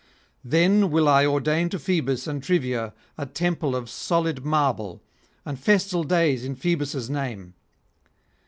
Then will I ordain to Phoebus and Trivia a temple of solid marble, and festal days in Phoebus' name.